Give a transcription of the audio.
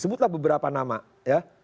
sebutlah beberapa nama ya